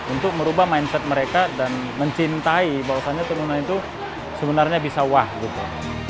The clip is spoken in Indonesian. untuk merubah mindset mereka dan mencintai bahwasannya turunan itu sebenarnya bisa wah gitu